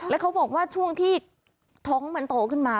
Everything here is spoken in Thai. แล้วเขาบอกว่าช่วงที่ท้องมันโตขึ้นมา